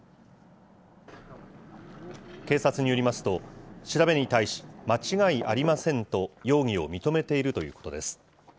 警察によりますと、調べに対し、間違いありませんと容疑を認めているということです。